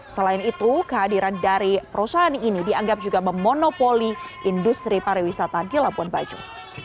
selain itu kehadiran dari perusahaan ini dianggap juga memonopoli industri pariwisata di labuan bajo